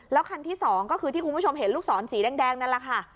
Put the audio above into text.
แล้วคันที่๒ก็คือที่คุณผู้ชมเห็นลูกศรสีแดงนั่นแหละค่ะ